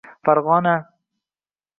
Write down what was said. Farg‘ona